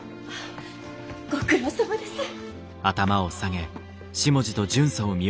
ご苦労さまです。